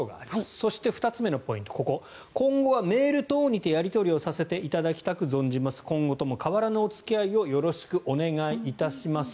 そして、２つ目のポイント今後はメール等にてやり取りをさせていただきたく存じます今後とも変わらぬお付き合いをよろしくお願いいたします。